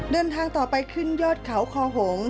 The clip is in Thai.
เดินทางต่อไปขึ้นยอดเขาคอหง